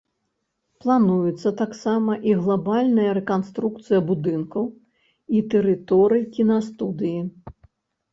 Плануецца таксама і глабальная рэканструкцыя будынкаў і тэрыторый кінастудыі.